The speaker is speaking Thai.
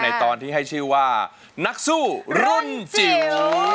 ตอนที่ให้ชื่อว่านักสู้รุ่นจิ๋ว